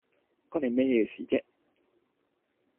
關你咩事啫？